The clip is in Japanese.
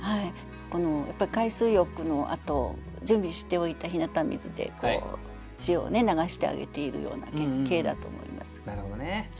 海水浴のあと準備しておいた日向水で塩を流してあげているような景だと思います。